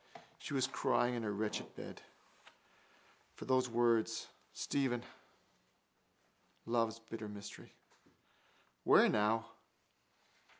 She was crying in her wretched bed. For those words, Stephen: love's bitter mystery. Where now?